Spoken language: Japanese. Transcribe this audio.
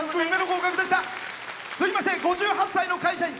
続きまして５８歳の会社員。